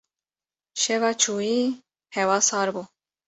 Şeva çûyî hewa sar bû.